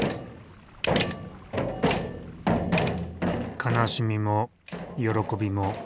悲しみも喜びも。